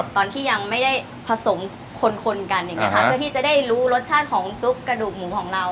ตอนที่ยังไม่ได้ผสมคนกันอย่างนี้ค่ะเพื่อที่จะได้รู้รสชาติของซุปกระดูกหมูของเรา